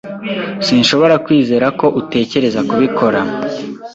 Sinshobora kwizera ko utekereza kubikora.